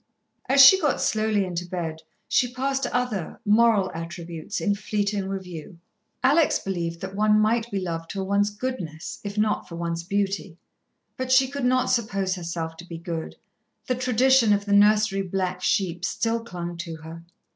As she got slowly into bed, she passed other, moral, attributes, in fleeting review. Alex believed that one might be loved for one's goodness, if not for one's beauty. But she could not suppose herself to be good. The tradition of the nursery black sheep still clung to her.